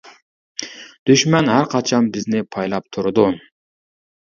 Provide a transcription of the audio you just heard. دۈشمەن ھەر قاچان بىزنى پايلاپ تۇرىدۇ.